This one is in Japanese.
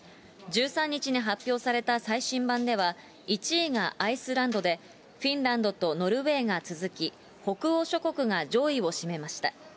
１３日に発表された最新版では、１位がアイスランドで、フィンランドとノルウェーが続き、北欧諸国が上位を占めました。